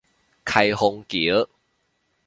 開封橋